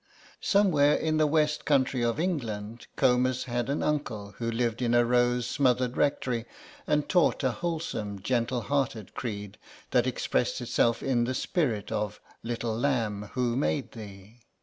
Somewhere in the west country of England Comus had an uncle who lived in a rose smothered rectory and taught a wholesome gentle hearted creed that expressed itself in the spirit of "Little lamb, who made thee?"